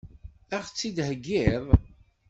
Ad ɣ-tt-id-theggiḍ?